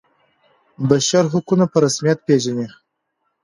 بشر حقونه په رسمیت پيژني.